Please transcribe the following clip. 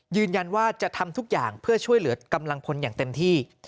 ยืนยันว่าจะทำทุกอย่างเพื่อช่วยเหลือกำลังพลอย่างเต็มที่